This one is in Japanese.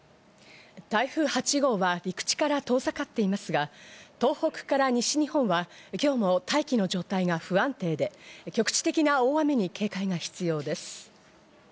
台風８号は陸地から遠ざかっていますが、東北から西日本は今日も大気の状態が不安定で局地的な大雨に警戒が必要です。